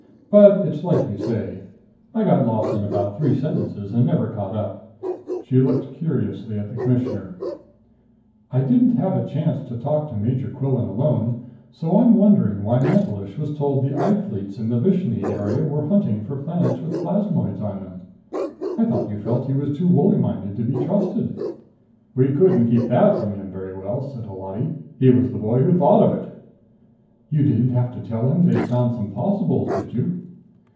But it's like you say. I got lost in about three sentences and never caught up." She looked curiously at the Commissioner. "I didn't have a chance to talk to Major Quillan alone, so I'm wondering why Mantelish was told the I Fleets in the Vishni area are hunting for planets with plasmoids on them. I thought you felt he was too woolly minded to be trusted." "We couldn't keep that from him very well," Holati said. "He was the boy who thought of it." "You didn't have to tell him they'd found some possibles did you?"